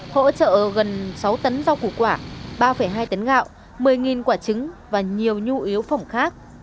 hỗ trợ gần sáu tấn rau củ quả ba hai tấn gạo một mươi quả trứng và nhiều nhu yếu phẩm khác